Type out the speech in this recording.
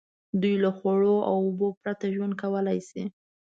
دوی له خوړو او اوبو پرته ژوند کولای شي.